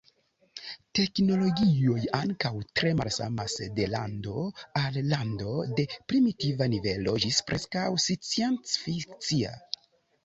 Teknologioj ankaŭ tre malsamas de lando al lando, de primitiva nivelo ĝis preskaŭ scienc-fikcia.